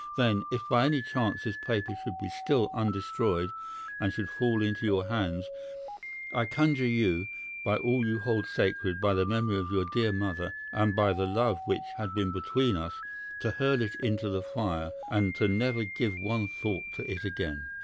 then if by any chance this paper should be still undestroyed and should fall into your hands, I conjure you, by all you hold sacred, by the memory of your dear mother, and by the love which had been between us, to hurl it into the fire and to never give one thought to it again.